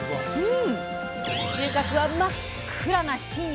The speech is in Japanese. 収穫は真っ暗な深夜。